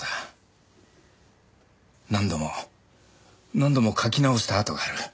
何度も何度も書き直した跡がある。